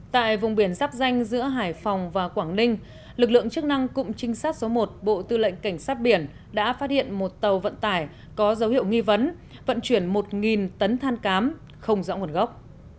tại vùng biển dắp danh giữa hải phòng và quảng ninh lực lượng chức năng cụm trinh sát số một bộ tư lệnh cảnh sát biển đã phát hiện một tàu vận tải có dấu hiệu nghi vấn vận chuyển một tấn than cám không rõ nguồn gốc